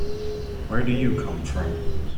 Where do you come from?